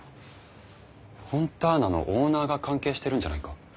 フォンターナのオーナーが関係してるんじゃないか？